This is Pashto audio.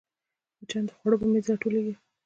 مچان د خوړو پر میز راټولېږي